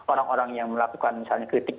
orang orang yang melakukan misalnya kritik